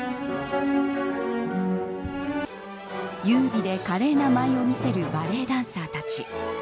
優美で華麗な舞を見せるバレエダンサーたち。